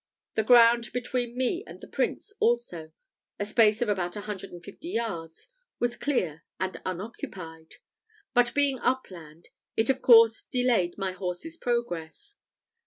The ground between me and the prince also a space of about a hundred and fifty yards was clear and unoccupied; but being upland, it of course delayed my horse's progress.